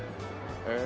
へえ。